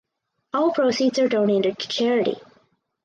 All proceeds are donated to charity.